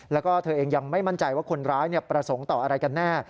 แล้วก็เธอเองยังไม่มั่นใจว่าคนร้ายประสงค์ต่ออะไรกันแน่